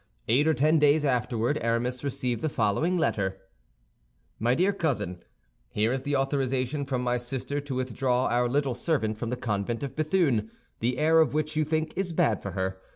Eight or ten days afterward Aramis received the following letter: "MY DEAR COUSIN, Here is the authorization from my sister to withdraw our little servant from the convent of Béthune, the air of which you think is bad for her.